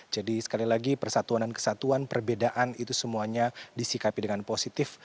jadi sekali lagi persatuan dan kesatuan perbedaan itu semuanya disikapi dengan positif